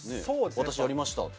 私やりましたって。